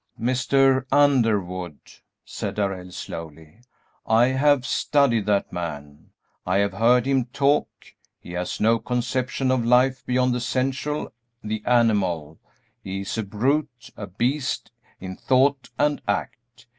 "Mr. Underwood," said Darrell, slowly, "I have studied that man, I have heard him talk. He has no conception of life beyond the sensual, the animal; he is a brute, a beast, in thought and act.